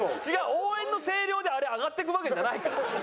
応援の声量であれ上がってくわけじゃないから。